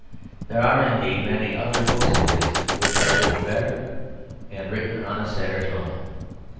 There are indeed many other books of his which are written better and written in a sadder tone.